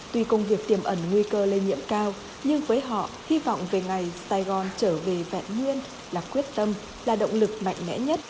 tuy công việc tiềm ẩn nguy cơ lây nhiễm cao nhưng với họ hy vọng về ngày sài gòn trở về vẹn nguyên là quyết tâm là động lực mạnh mẽ nhất